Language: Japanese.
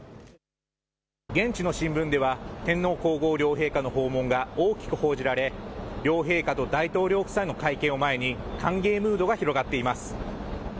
現地の新聞では、天皇皇后両陛下の訪問が大きく報じられ、両陛下と大統領夫妻の会見を前に、歓迎ムードが広がっています。